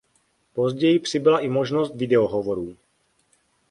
Později přibyla i možnost video hovorů.